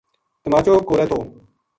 تماچو کولے تھو۔